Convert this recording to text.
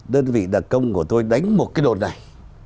đơn vị đặc công của tôi đánh một cái đồn này